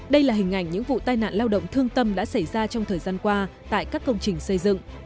đây là hình ảnh những vụ tai nạn lao động thương tâm đã xảy ra trong thời gian qua tại các công trình xây dựng